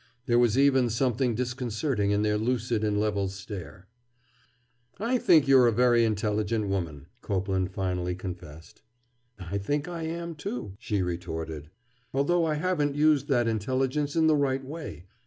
There was even something disconcerting in their lucid and level stare. "I think you are a very intelligent woman," Copeland finally confessed. "I think I am, too," she retorted. "Although I haven't used that intelligence in the right way.